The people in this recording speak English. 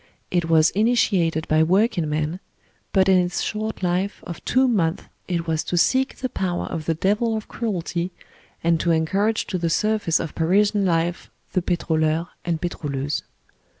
It was in itiated by working men, but in its short life of two months it was to seek the power of the devil of cruelty, and to en courage to the surface of Parisian life the pitroUur and pitro^ leuse.